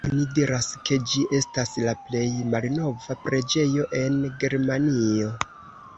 Oni diras ke ĝi estas la plej malnova preĝejo en Germanio.